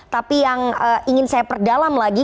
tapi yang ingin saya perdalam lagi